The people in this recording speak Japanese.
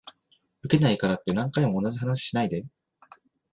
ウケないからって何回も同じ話しないで